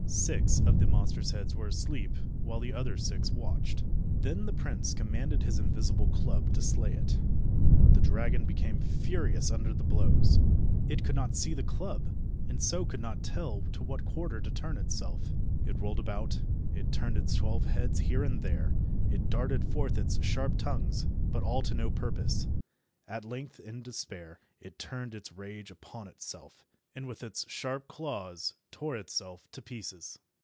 Six of the monster's heads were asleep, while the other six watched. Then the prince commanded his invisible club to slay it. The dragon became furious under the blows. It could not see the club, and so could not tell to what quarter to turn itself. It rolled about, it turned its twelve heads here and there, it darted forth its sharp tongues, but all to no purpose. At length, in despair, it turned its rage upon itself, and with its sharp claws tore itself to pieces.